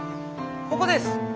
ここです。